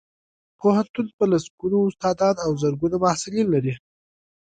پوهنتون په لسګونو استادان او زرګونه محصلین لري